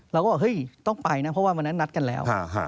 เราก็บอกเฮ้ยต้องไปนะเพราะว่าวันนั้นนัดกันแล้ว